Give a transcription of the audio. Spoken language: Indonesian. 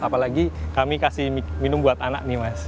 apalagi kami kasih minum buat anak nih mas